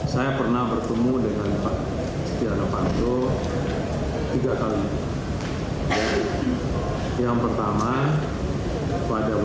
saya pernah bertemu dengan pak setiano panto tiga kali